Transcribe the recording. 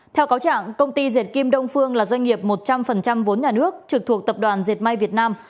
theo cáo trạng công ty dệt kim đông phương là doanh nghiệp một trăm linh vốn nhà nước trực thuộc tập đoàn dệt may việt nam